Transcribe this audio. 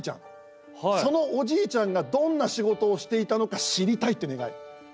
そのおじいちゃんがどんな仕事をしていたのか知りたいっていう願い。